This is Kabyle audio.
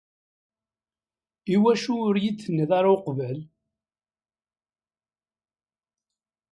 Iwacu ur yi-d-tenniḍ ara akka uqbel?